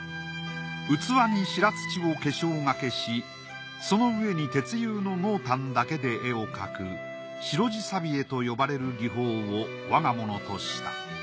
器に白土を化粧がけしその上に鉄釉の濃淡だけで絵を描く白地銹絵と呼ばれる技法を我がものとした。